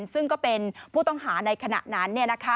ซึ่งก็เป็นผู้ต้องหาในขณะนั้น